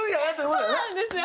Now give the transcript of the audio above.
そうなんですよ！